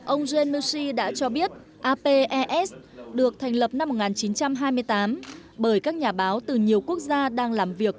ông jen musshi đã cho biết apes được thành lập năm một nghìn chín trăm hai mươi tám bởi các nhà báo từ nhiều quốc gia đang làm việc